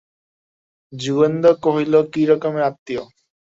যোগেন্দ্র কহিল, কী রকমের আত্মীয়?